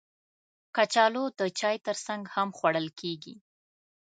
کچالو د چای ترڅنګ هم خوړل کېږي